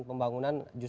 pembangunan dan pembangunan